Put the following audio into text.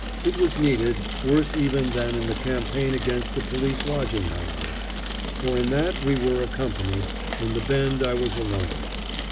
It was needed, worse even than in the campaign against the police lodging houses, for in that we were a company, in the Bend I was alone.